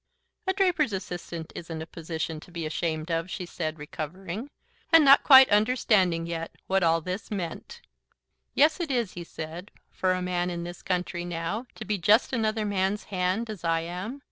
"A draper's assistant isn't a position to be ashamed of," she said, recovering, and not quite understanding yet what this all meant. "Yes, it is," he said, "for a man, in this country now. To be just another man's hand, as I am.